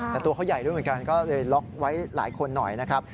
แต่ตัวเขาใหญ่ด้วยเหมือนกันก็เลยล็อกไว้หลายคนหน่อยนะครับ